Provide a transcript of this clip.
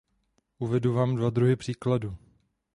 Uvedu vám dva druhy příkladů.